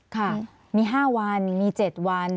ค่ะมี๕วันมี๗วัน